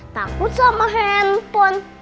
takut sama handphone